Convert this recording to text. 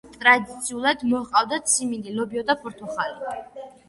მათ ტრადიციულად მოჰყავდათ სიმინდი, ლობიო და ფორთოხალი.